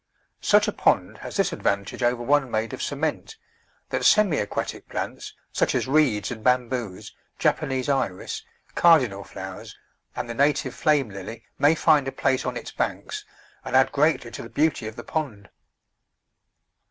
Such a pond has this advantage over one made of cement, that semi aquatic plants, such as Reeds and Bamboos, Jap anese Iris, Cardinal Flowers, and the native Flame Lily may find a place on its banks and add greatly to the beauty of the pond.